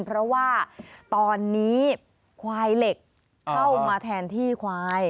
เพราะว่าตอนนี้ควายเหล็กเข้ามาแทนที่ควาย